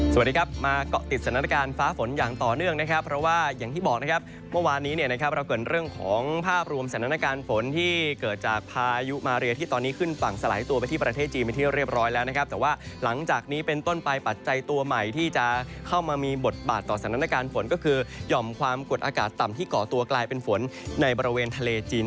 สวัสดีครับมาเกาะติดสถานการณ์ฟ้าฝนอย่างต่อเนื่องนะครับเพราะว่าอย่างที่บอกนะครับเมื่อวานนี้นะครับเราเกิดเรื่องของภาพรวมสถานการณ์ฝนที่เกิดจากพายุมาเรือที่ตอนนี้ขึ้นฝั่งสลายตัวไปที่ประเทศจีนไปที่เรียบร้อยแล้วนะครับแต่ว่าหลังจากนี้เป็นต้นปลายปัจจัยตัวใหม่ที่จะเข้ามามีบทบาทต่อสถานการณ